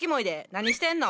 何してんの？